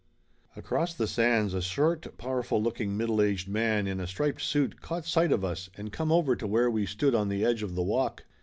Across the sands a short powerful looking middle aged man in a striped suit caught sight of us. and come over to where we stood on the edge of the walk.